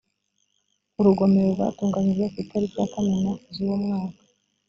urugomero rwatunganyijwe ku itariki ya kamena z uwo mwaka